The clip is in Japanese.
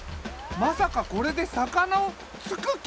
まさかこれで魚をつく気？